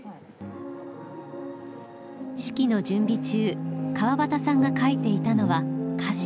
式の準備中川端さんが書いていたのは歌詞。